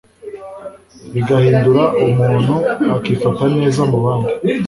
bigahindura umuntu akifata neza mubandi